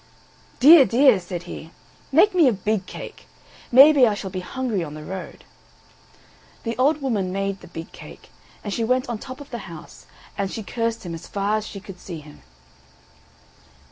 "Dear, dear!" said he, "make me a big cake. Maybe I shall be hungry on the road." The old woman made the big cake, and she went on top of the house, and she cursed him as far as she could see him.